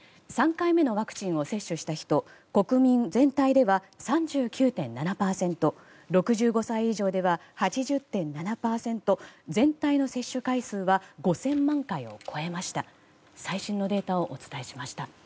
３回目のワクチンを接種した人国民全体では３９．７％６５歳以上では８０．７％全体の接種回数は５０００万回を超えました。